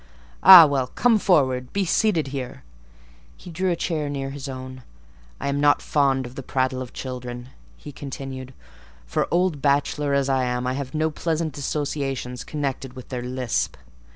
"Ah! well, come forward; be seated here." He drew a chair near his own. "I am not fond of the prattle of children," he continued; "for, old bachelor as I am, I have no pleasant associations connected with their lisp.